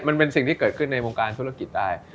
มันเป็นสิ่งที่เกิดขึ้นในวงการธุรกิจได้